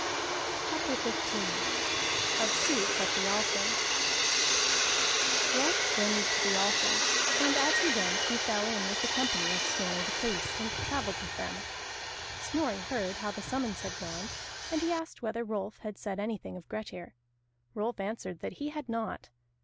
CHAPTER XV OF SUITS AT THE ALTHING Rolf journeyed to the Althing, and as he went he fell in with the company of Snorri the Priest, and travelled with them. Snorri heard how the summons had gone, and he asked whether Rolf had said anything of Grettir. Rolf answered that he had not.